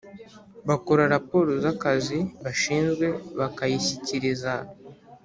Bakora raporo z akazi bashinzwe bakayishyikiriza